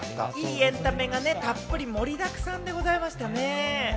いいエンタメがたっぷり盛りだくさんでございますよね。